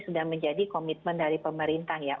sudah menjadi komitmen dari pemerintah ya